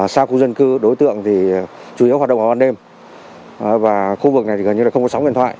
xa khu dân cư đối tượng thì chủ yếu hoạt động vào ban đêm và khu vực này thì gần như là không có sóng điện thoại